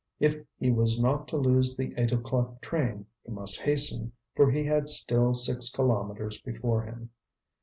If he was not to lose the eight o'clock train he must hasten, for he had still six kilometres before him.